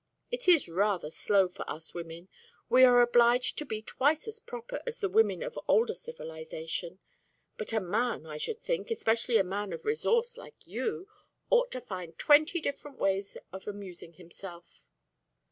It is rather slow for us women: we are obliged to be twice as proper as the women of older civilisations; but a man, I should think, especially a man of resource like you, ought to find twenty different ways of amusing himself.